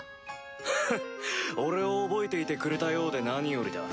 フッ俺を覚えていてくれたようで何よりだ。